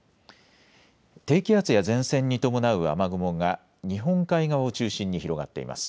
低気圧や前線に伴う雨雲が日本海側を中心に広がっています。